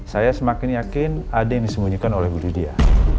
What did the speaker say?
saya semakin yakin ada yang disembunyikan oleh bu lydia